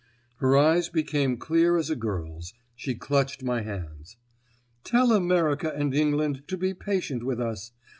Her eyes became clear as a girl's; she clutched my hands. "Tell America and England to be patient with us.